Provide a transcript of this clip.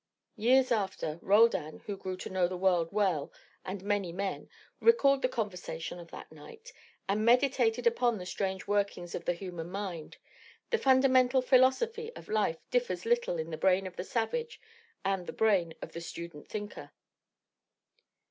Years after, Roldan, who grew to know the world well and many men, recalled the conversation of that night, and meditated upon the strange workings of the human mind: the fundamental philosophy of life differs little in the brain of the savage and the brain of the student thinker.